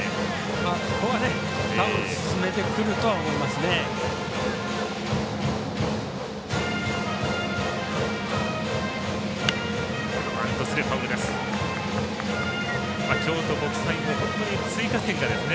ここは進めてくるとは思いますね。